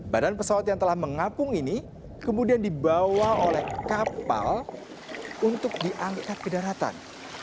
badan pesawat yang telah mengapung ini kemudian dibawa oleh kapal untuk diangkat ke daratan